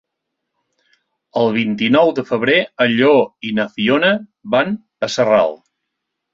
El vint-i-nou de febrer en Lleó i na Fiona van a Sarral.